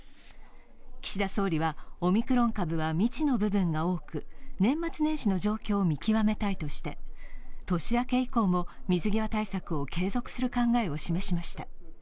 岸田総理はオミクロン株は未知の部分が多く、年末年始の状況を見極めたいとして年明け以降も水際対策を継続する考えを示しました。